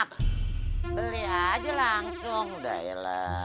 beli aja langsung dah eh lah